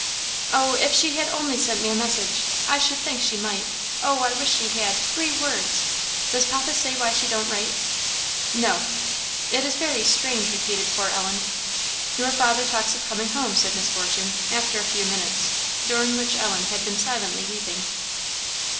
"Oh! if she had only sent me a message! I should think she might oh! I wish she had! three words! does papa say why she don't write?" "No." "It is very strange!" repeated poor Ellen. "Your father talks of coming home," said Miss Fortune, after a few minutes, during which Ellen had been silently weeping.